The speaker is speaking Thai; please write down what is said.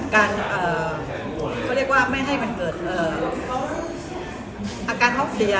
การเขาเรียกว่าไม่ให้มันเกิดอาการท้องเสีย